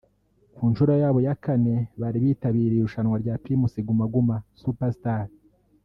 Ku nshuro yabo ya kane bari bitabiriye irushanwa rya Primus Guma Guma Super Star